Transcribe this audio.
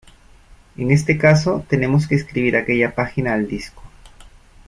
En este caso, "tenemos que escribir aquella página al disco.